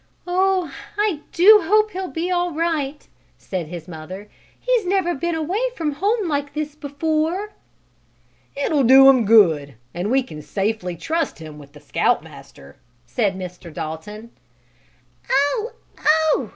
"Oh, I do hope he'll be all right!" said his mother. "He's never been away from home like this before!" "It will do him good, and we can safely trust him with the Scout Master," said Mr. Dalton. "Oh! oh!"